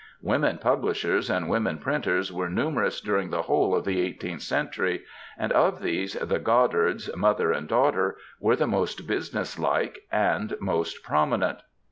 Women publishers and women printers were numerous during the whole of the eighteenth century, and of these the Groddards, mother and daughter, were the most business like and most prominent.